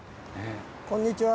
こんにちは。